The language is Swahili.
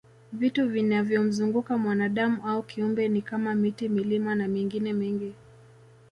Vitu vinavyomzunguka mwanadam au kiumbe ni kama miti milima na mengine mengi